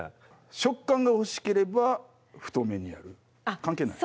食感が欲しければ太めにやる関係ない？